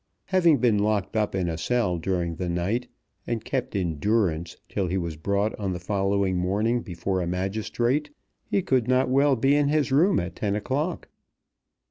Having been locked up in a cell during the night, and kept in durance till he was brought on the following morning before a magistrate, he could not well be in his room at ten o'clock.